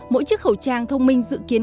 mỗi chiếc khẩu trang thông minh dự kiến